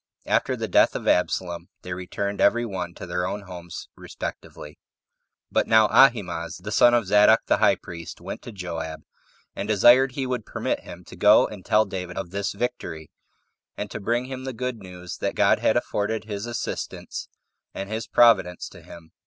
After the death of Absalom, they returned every one to their own homes respectively. 4. But now Ahimaaz, the son of Zadok the high priest, went to Joab, and desired he would permit him to go and tell David of this victory, and to bring him the good news that God had afforded his assistance and his providence to him.